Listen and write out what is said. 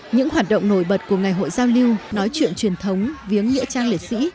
những hoạt động nổi bật của ngày hội giao lưu nói chuyện truyền thống viếng nghĩa trang liệt sĩ